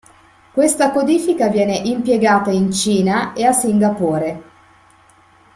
Questa codifica viene impiegata in Cina e a Singapore.